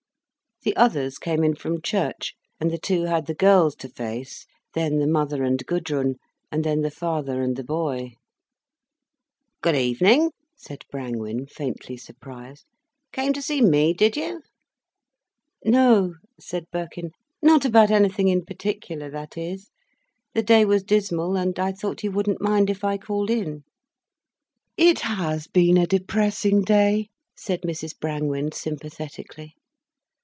The others came in from church, and the two had the girls to face, then the mother and Gudrun, and then the father and the boy. "Good evening," said Brangwen, faintly surprised. "Came to see me, did you?" "No," said Birkin, "not about anything, in particular, that is. The day was dismal, and I thought you wouldn't mind if I called in." "It has been a depressing day," said Mrs Brangwen sympathetically.